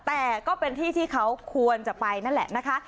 แต่ก็เป็นที่ที่เขาควรจะไปนั่นแหละนะคะ